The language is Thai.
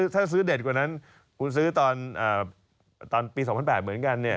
ถ้าซื้อเด็ดกว่านั้นคุณซื้อตอนปี๒๐๐๘เหมือนกัน